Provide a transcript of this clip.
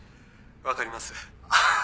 分かります。